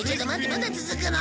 まだ続くの？